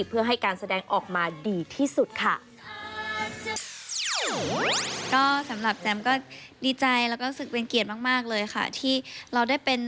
เพื่อให้การแสดงออกมาดีที่สุดค่ะ